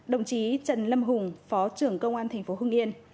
đồng chí trần lâm hùng phó trưởng công an tp hương yên